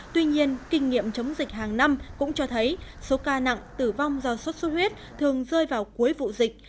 tuy nhiên kinh nghiệm chống dịch hàng năm cũng cho thấy số ca nặng tử vong do sốt xuất huyết thường rơi vào cuối vụ dịch